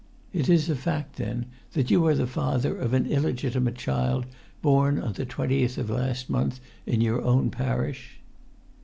It is a fact, then, that you are the father of an illegitimate child born on the twentieth of last month in your own parish?"